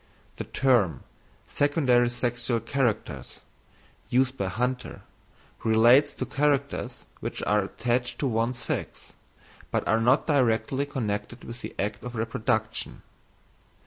The term, secondary sexual characters, used by Hunter, relates to characters which are attached to one sex, but are not directly connected with the act of reproduction.